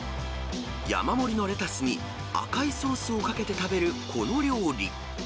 山盛りのレタスに赤いソースをかけて食べる、この料理。